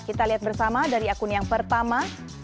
kita lihat bersama dari akun yang pertama